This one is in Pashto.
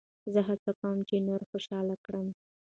زه هڅه کوم، چي نور خوشحاله کړم.